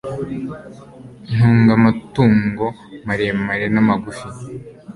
ntunga amatungo maremare n'amagufi